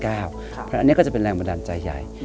อันนี้ก็จะเป็นแรงบันดาลใจใหญ่